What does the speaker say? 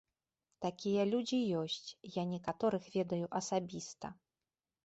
Такія людзі ёсць, я некаторых ведаю асабіста.